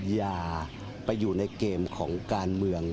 อย่าไปอยู่ในเกมของการเมือง